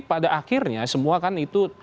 pada akhirnya semua kan itu